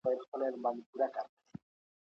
د سياستپوهني کتابونه تر نورو کتابونو زيات ولولئ.